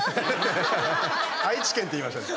愛知県って言いましたね。